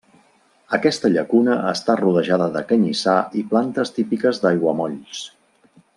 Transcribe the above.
Aquesta llacuna està rodejada de canyissar i plantes típiques d'aiguamolls.